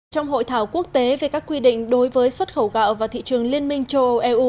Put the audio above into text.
trong hội thảo quốc tế về các quy định đối với xuất khẩu gạo và thị trường liên minh châu âu eu